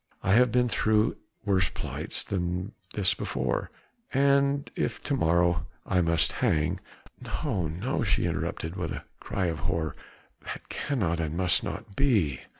I have been through worse plights than this before, and if to morrow I must hang...." "No, no!" she interrupted with a cry of horror, "that cannot and must not be."